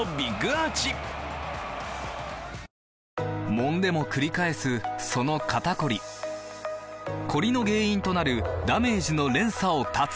もんでもくり返すその肩こりコリの原因となるダメージの連鎖を断つ！